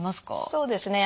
そうですね。